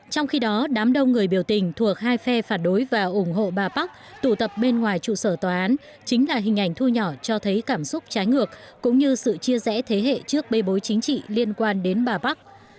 trong khi đó đám đông người biểu tình thuộc hai phe phản đối và ủng hộ bà park tụ tập bên ngoài trụ sở tòa án chính là hình ảnh thu nhỏ cho thấy cảm xúc trái ngược cũng như sự chia rẽ thế hệ trước bê bối chính trị liên quan đến bà bắc